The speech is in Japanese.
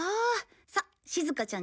さあしずかちゃん